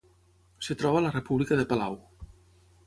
Es troba a la República de Palau.